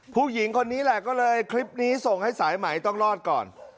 ผู้หญิงคนนี้แหละก็เลยคลิปนี้ส่งให้สายไหมต้องรอดก่อน